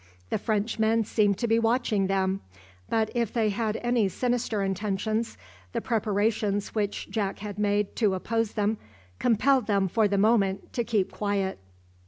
The Frenchmen seemed to be watching them; but if they had any sinister intentions, the preparations which Jack had made to oppose them compelled them for the moment to keep quiet.